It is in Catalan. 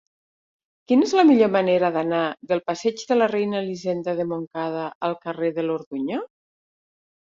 Quina és la millor manera d'anar del passeig de la Reina Elisenda de Montcada al carrer de l'Orduña?